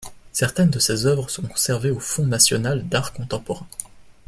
Certaines de ses œuvres sont conservées au Fonds national d'art contemporain.